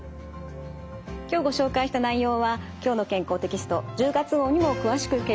今日ご紹介した内容は「きょうの健康」テキスト１０月号にも詳しく掲載されています。